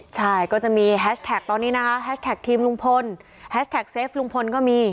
ใช่ก็จะมีแฮชแท็กตอนนี้นะคะแฮชแท็กทีมลุงพลแฮชแท็กเซฟลุงพลก็มี